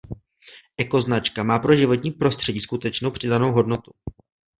Ekoznačka má pro životní prostředí skutečnou přidanou hodnotu.